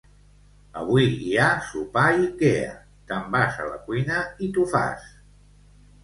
Avui hi ha sopar Ikea: te'n vas a la cuina i t'ho fas.